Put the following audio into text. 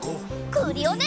クリオネ！